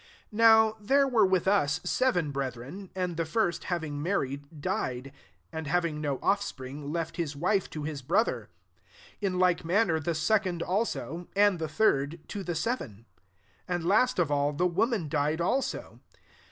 25 Now there were n\h us seven brethren: and he first having married, died: ind, having no offspring, left lis wife to his brother. 26 In ike manner the second also, md the third, to the seven. 27 Vnd last of all, the woman died ilso.